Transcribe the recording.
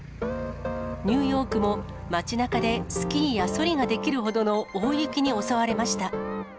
ニューヨークも、街なかでスキーやそりができるほどの大雪に襲われました。